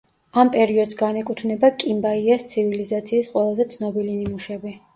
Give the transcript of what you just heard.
ამ პერიოდს განეკუთვნება კიმბაიას ცივილიზაციის ყველაზე ცნობილი ნიმუშები.